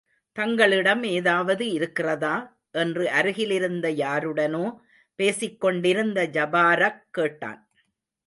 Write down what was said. தங்களிடம் ஏதாவது இருக்கிறதா? என்று அருகிலிருந்த யாருடனோ பேசிக் கொண்டிருந்த ஜபாரக் கேட்டான்.